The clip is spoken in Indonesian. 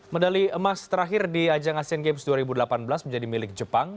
medali emas terakhir di ajang asean games dua ribu delapan belas menjadi milik jepang